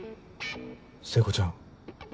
聖子ちゃん。